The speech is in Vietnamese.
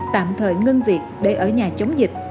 tạm thời ngưng việc để ở nhà chống dịch